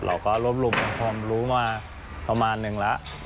เราก็รวบรวมความรู้มาประมาณหนึ่งแล้ว